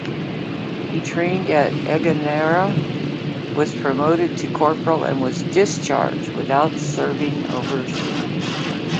He trained at Enoggera, was promoted to corporal, and was discharged without serving overseas.